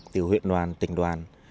từ huyện đoàn tỉnh đoàn